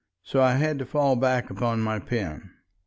So I had to fall back upon my pen.